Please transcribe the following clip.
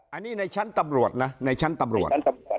อันนี้ในชั้นตำรวจนะในชั้นตำรวจ